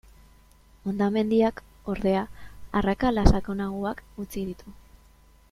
Hondamendiak, ordea, arrakala sakonagoak utzi ditu.